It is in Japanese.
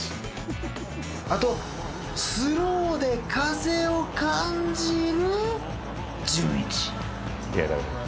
あとスローで風を感じるじゅんいち